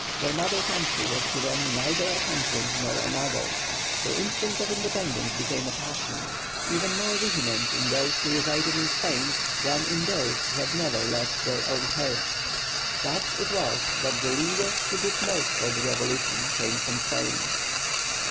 Their mother country was to them neither a country nor a mother. The instinct of independence became a passion, even more vehement in those who resided in Spain than in those who had never left their own hearths. Thus it was that the leaders who did most for the revolution came from Spain.